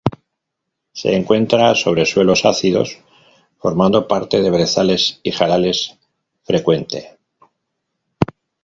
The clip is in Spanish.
Se encuentra sobre suelos ácidos, formando parte de brezales y jarales. Frecuente.